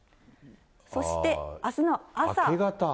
そしてあすの朝。